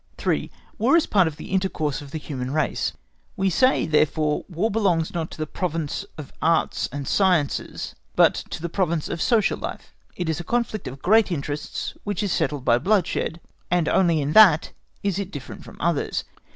3. WAR IS PART OF THE INTERCOURSE OF THE HUMAN RACE. We say therefore War belongs not to the province of Arts and Sciences, but to the province of social life. It is a conflict of great interests which is settled by bloodshed, and only in that is it different from others.